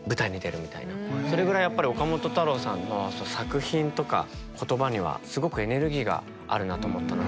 それぐらいやっぱり岡本太郎さんの作品とか言葉にはすごくエネルギーがあるなと思ったので。